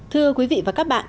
thưa quý vị và các bạn